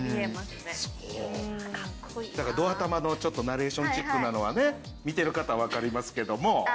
だからど頭のナレーションチックなのはね見てる方わかりますけども。